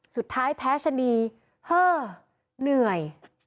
สุดท้ายแพ้ชะนีเฮ้อเหนื่อย